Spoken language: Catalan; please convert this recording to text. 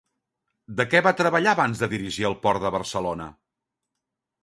De què va treballar abans de dirigir el Port de Barcelona?